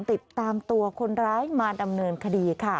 ติดตามตัวคนร้ายมาดำเนินคดีค่ะ